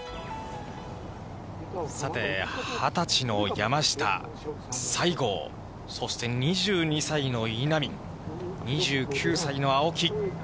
さて、２０歳の山下、西郷、そして、２２歳の稲見、２９歳の青木。